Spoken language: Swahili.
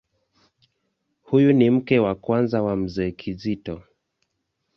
Huyu ni mke wa kwanza wa Mzee Kizito.